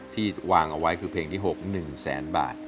ที่วางเอาไว้คือเพลงที่๖๑แสนบาท